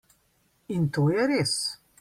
In to je res.